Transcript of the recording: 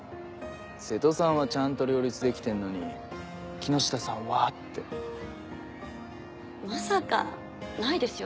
瀬戸さんはちゃんと両立できてんのに木下さんはって。まさかないですよ